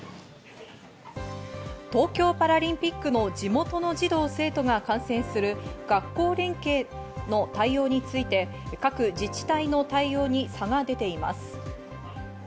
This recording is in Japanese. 東京パラリンピックの地元の児童・生徒が観戦する学校連携の対応について、各自治体の対応に差が出ています。